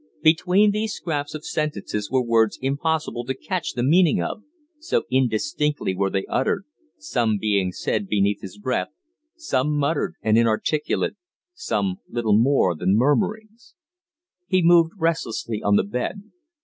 Between these scraps of sentences were words impossible to catch the meaning of, so indistinctly were they uttered, some being said beneath his breath, some muttered and inarticulate, some little more than murmurings. He moved restlessly on the bed.